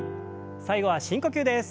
最後は深呼吸です。